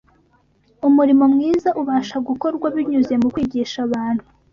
Umurimo mwiza ubasha gukorwa binyuze mu kwigisha abantu